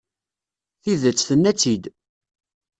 Tidet, tenna-tt-id.